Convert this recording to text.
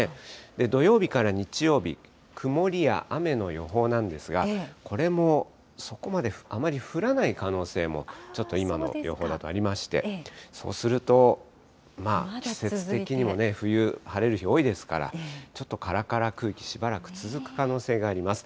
土曜日から日曜日、曇りや雨の予報なんですが、これもそこまであまり降らない可能性もちょっと今の予報だとありまして、そうすると、季節的にも冬、晴れる日多いですから、ちょっとからから空気、しばらく続く可能性があります。